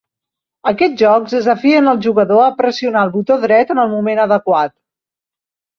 Aquests jocs desafien al jugador a pressionar el botó dret en el moment adequat.